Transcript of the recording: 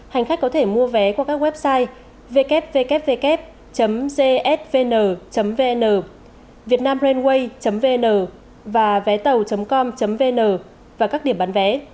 hành khách có thể mua vé qua các website www gsvn vn vietnamrainway vn và vétau com vn và các điểm bán vé